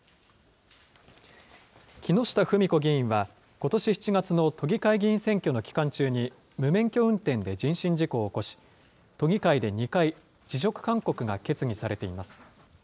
木下富美子議員はことし７月の都議会議員選挙の期間中に、無免許運転で人身事故を起こし、都議会で２回、辞職勧告が決議されています。